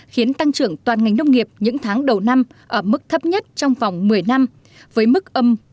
khiến tăng trưởng toàn ngành nông nghiệp những tháng đầu năm ở mức thấp nhất trong vòng một mươi năm với mức âm một mươi tám